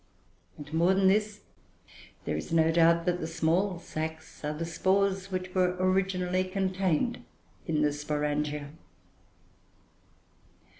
And, more than this, there is no doubt that the small sacs are the spores, which were originally contained in the sporangia.